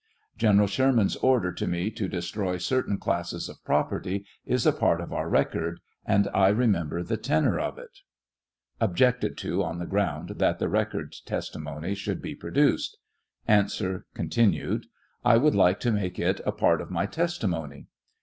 General Sherman's order to me to destroy certain classes of property is a part of our record, and I remember the tenor of it. 29 [Objected to on the ground that the record testimony should be produced.] A. (Continued.) I would like to make it a part of my testimony.